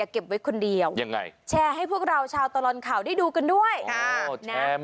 ค่าแชร์ไม่แพงนะครับ